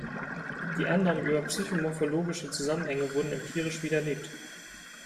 Die Annahmen über psycho-morphologische Zusammenhänge wurden empirisch widerlegt.